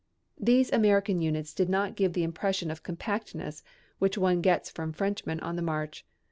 These American units did not give the impression of compactness which one gets from Frenchmen on the march.